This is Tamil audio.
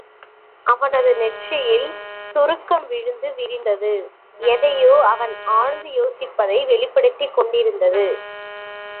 அவனது நெற்றியில் சுருக்கம் விழுந்து விரிந்தது, எதையோ அவன் ஆழ்ந்து யோசிப்பதை வெளிப்படுத்திக் கொண்டிருந்தது.